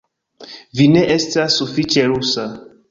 Vi ne estas sufiĉe rusa